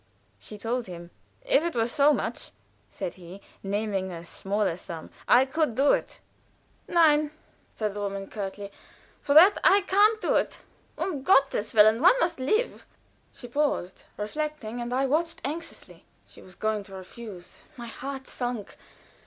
She told him. "If it were so much," said he, naming a smaller sum, "I could do it." "Nie!" said the woman, curtly, "for that I can't do it. Um Gotteswillen! One must live." She paused, reflecting, and I watched anxiously. She was going to refuse. My heart sunk.